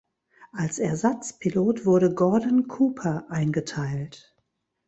Als Ersatzpilot wurde Gordon Cooper eingeteilt.